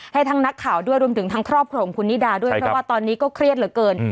ให้ทั้งนักข่าวด้วยรวมถึงทั้งครอบครัวของคุณนิดาด้วยเพราะว่าตอนนี้ก็เครียดเหลือเกิน